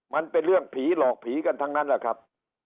มันเป็นเรื่องผีหลอกผีกันทั้งนั้นแหละครับ